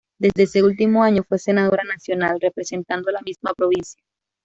Desde ese último año fue senadora nacional, representando a la misma provincia.